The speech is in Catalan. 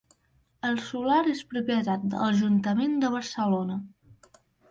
El solar és propietat de l'Ajuntament de Barcelona.